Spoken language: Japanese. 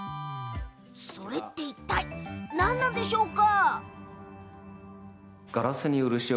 それっていったい何なんでしょうか？